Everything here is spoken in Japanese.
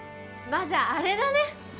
まあじゃああれだね。